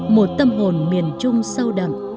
một tâm hồn miền trung sâu đậm